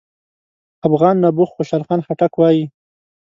افغان نبوغ خوشحال خان خټک وايي: